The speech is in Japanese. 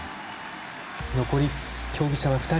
残り競技者は２人。